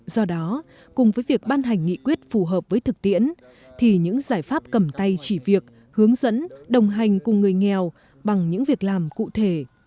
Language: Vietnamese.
do đó cùng với việc ban hành nghị quyết phù hợp với thực tiễn thì những giải pháp cầm tay chỉ việc hướng dẫn đồng hành cùng người nghèo bằng những việc làm cụ thể